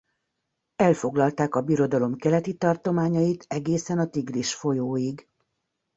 Elfoglalták a birodalom keleti tartományait egészen a Tigris folyóig.